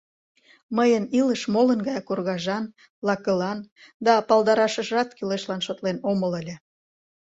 Мыйын илыш молын гаяк оргажан, лакылан, да палдарашыжат кӱлешлан шотлен омыл ыле.